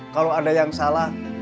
kalau ada yang salah